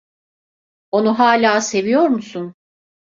Onu hâlâ seviyor musun?